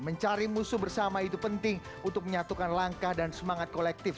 mencari musuh bersama itu penting untuk menyatukan langkah dan semangat kolektif